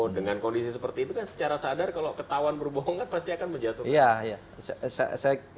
dengan kondisi seperti itu kan secara sadar kalau ketahuan berbohong kan pasti akan menjatuhkan